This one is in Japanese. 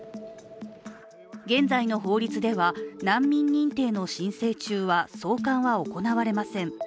現在の法律では難民認定の申請中は送還は行われません。